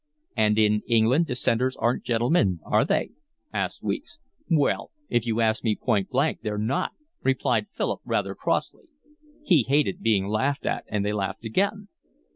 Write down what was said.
"And in England dissenters aren't gentlemen, are they?" asked Weeks. "Well, if you ask me point blank, they're not," replied Philip rather crossly. He hated being laughed at, and they laughed again.